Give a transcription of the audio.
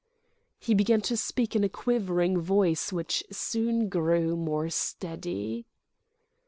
He began to speak in a quivering voice which soon grew more steady.